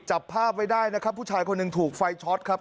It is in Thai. จับภาพไว้ได้นะครับผู้ชายคนหนึ่งถูกไฟช็อตครับ